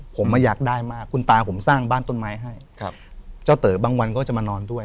ผมไม่อยากได้มากคุณตาผมสร้างบ้านต้นไม้ให้ครับเจ้าเต๋อบางวันก็จะมานอนด้วย